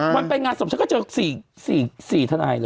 มันไปงานศพฉันก็เจอ๔ทนายเลย